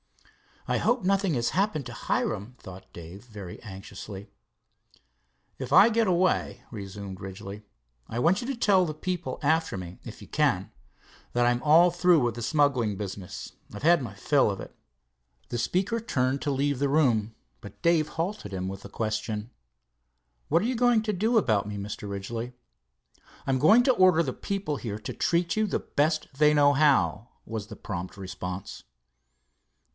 "I hope nothing his happened to Hiram," thought Dave, very anxiously. "If I get away," resumed Ridgely, "I want you to tell the people after me, if you can, that I'm all through with the smuggling business. I've had my fill of it." The speaker turned to leave the room, but Dave halted him with the question: "What are you going to do about me, Mr. Ridgely?" "I am going to order the people here to treat you the best they know how," was the prompt response.